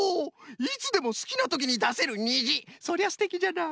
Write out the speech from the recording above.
いつでもすきなときにだせるにじそれはすてきじゃな。